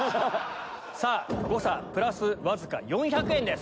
誤差プラスわずか４００円です。